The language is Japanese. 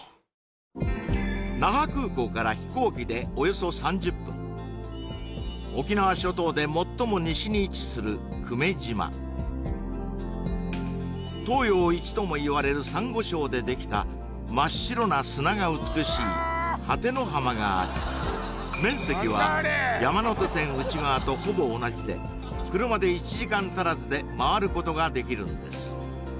那覇空港から飛行機でおよそ３０分沖縄諸島で最も西に位置する久米島東洋一ともいわれる珊瑚礁でできた真っ白な砂が美しいハテの浜があり面積は山手線内側とほぼ同じで車で１時間足らずで回ることができるんです